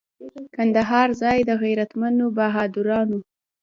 کندهار ځای د غیرتمنو بهادرانو.